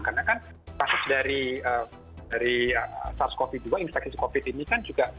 karena kan pasif dari sars cov dua infeksi covid ini kan juga